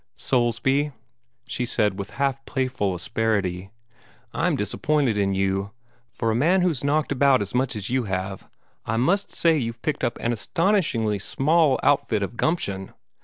"Soulsby," she said with half playful asperity, "I'm disappointed in you. For a man who's knocked about as much as you have, I must say you've picked up an astonishingly small outfit of gumption.